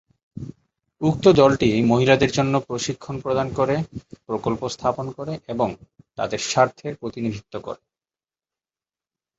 উক্ত দলটি মহিলাদের জন্য প্রশিক্ষণ প্রদান করে, প্রকল্প স্থাপন করে এবং তাদের স্বার্থের প্রতিনিধিত্ব করে।